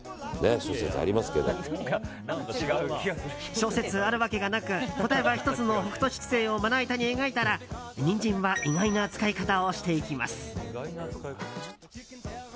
諸説ある訳がなく答えは１つの北斗七星をまな板に描いたらニンジンは意外な使い方をしていきます。